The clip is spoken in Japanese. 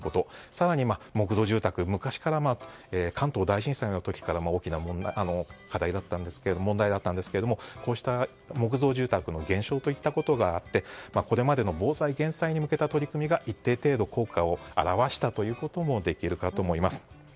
さらに、木造住宅昔から関東大震災の時から大きな課題だったんですがこうした木造住宅の減少といったこともあってこれまでの防災、減災に向けた取り組みが効果を表したということもできるかと思います。